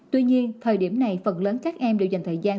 tuy nhiên thời điểm này phần lớn các em đều dành thời gian